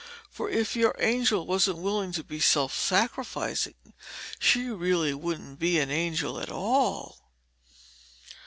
For if your angel wasn't willing to be self sacrificing, she really wouldn't be an angel at all."